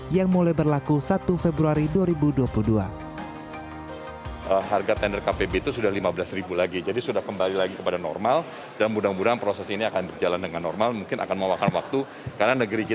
yang mulai berlaku satu februari dua ribu dua puluh dua